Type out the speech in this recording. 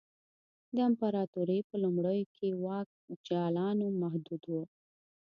د امپراتورۍ په لومړیو کې واک جالانو محدود و